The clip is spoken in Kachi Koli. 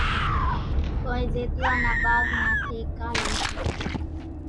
ڪونئين زيتوئان نا ٻاگھ نا ٺيڪا ليئيَ سي۔